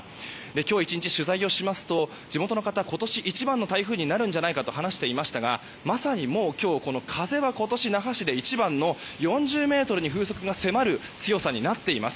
今日１日取材をしますと地元の方、今年一番の台風になるんじゃないかと話していましたがまさにもう今日風は今年那覇市で一番の４０メートルに風速が迫る強さになっています。